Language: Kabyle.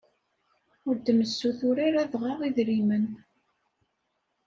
Ur d-nessutur ara dɣa idrimen.